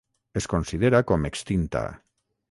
Es considera com extinta.